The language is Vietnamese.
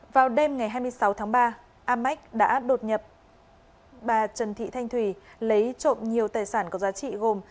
vào đêm ngày hai mươi sáu tháng ba amác đã đột nhập bà trần thị thanh thùy lấy trộm nhiều tài sản có giá trị gồm